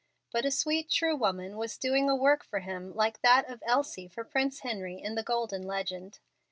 But a sweet, true woman was doing a work for him like that of Elsie for Prince Henry in the Golden Legend.